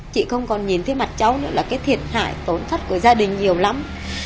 chị không còn nhìn thấy mặt cháu nữa là cái thiệt hại tổn thất của gia đình nhiều lắm